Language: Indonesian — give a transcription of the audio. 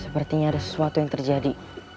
sepertinya ada sesuatu yang terjadi